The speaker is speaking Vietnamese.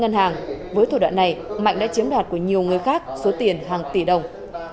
ngân hàng với thủ đoạn này mạnh đã chiếm đoạt của nhiều người khác số tiền hàng tỷ đồng